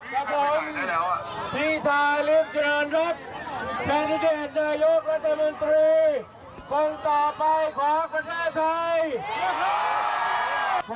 ขอภาษณะที่ดีว่าพิธาลิมเจริญครับ